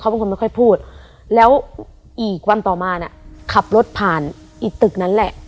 เป็นคนไม่ค่อยพูดแล้วอีกวันต่อมาน่ะขับรถผ่านอีกตึกนั้นแหละ